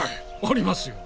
ありますよ。